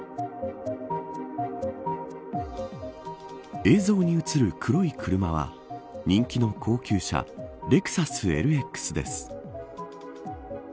映像に映る黒い車は人気の高級車レクサスＬＸです。